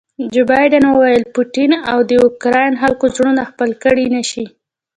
جو بایډن وویل پوټین د اوکراین خلکو زړونه خپل کړي نه شي.